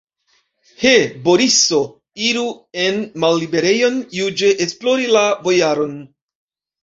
He, Boriso, iru en malliberejon juĝe esplori la bojaron!